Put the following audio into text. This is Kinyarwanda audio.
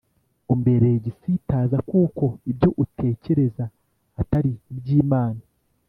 umbereye igisitaza kuko ibyo utekereza atari iby’Imana,